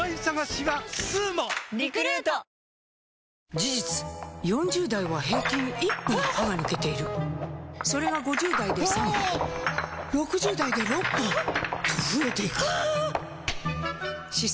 事実４０代は平均１本歯が抜けているそれが５０代で３本６０代で６本と増えていく歯槽